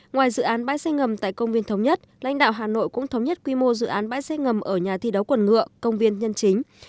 ngoài dự án bãi xe ngầm tại công viên thống nhất lãnh đạo hà nội cũng thống nhất quy mô dự án bãi xe ngầm ở nhà thi đấu quần ngựa công viên nhân chính